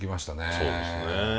そうですね。